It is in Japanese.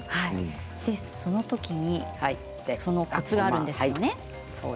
そのときにコツがあるんですよね。